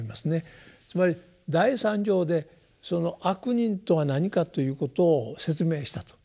つまり第三条で「悪人」とは何かということを説明したと。